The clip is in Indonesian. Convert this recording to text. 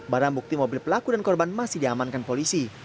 barang bukti mobil pelaku dan korban masih diamankan polisi